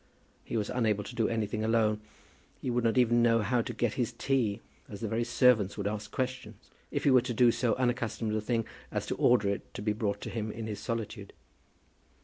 He was unable to do anything alone. He would not even know how to get his tea, as the very servants would ask questions, if he were to do so unaccustomed a thing as to order it to be brought up to him in his solitude.